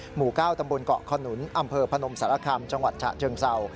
หมู่๙ตำบลเกาะขนุนอำเภอพนมสารคำจังหวัดฉะเชิงเศร้า